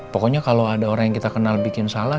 pokoknya kalau ada orang yang kita kenal bikin salah